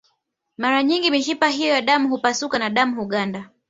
Mara nyingi mishipa hiyo ya damu hupasuka na damu huganda